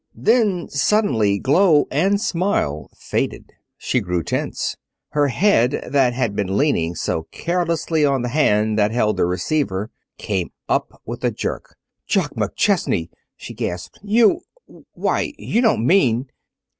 Then suddenly glow and smile faded. She grew tense. Her head, that had been leaning so carelessly on the hand that held the receiver, came up with a jerk. "Jock McChesney!" she gasped, "you why, you don't mean!